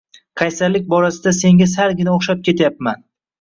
Qaysarlik borasida senga salgina o`xshab ketyapman